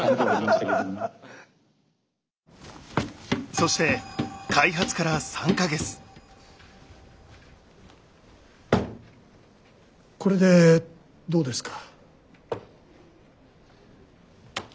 そして開発からこれでどうですか？